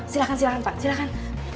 silahkan silahkan pak silahkan